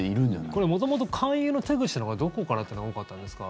これ、元々勧誘の手口というのはどこからというのが多かったんですか？